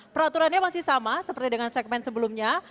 peraturannya masih sama seperti dengan segmen sebelumnya